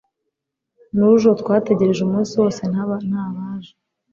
nujo twategereje umunsi wose ntabaje